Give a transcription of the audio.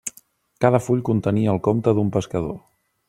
Cada full contenia el compte d'un pescador.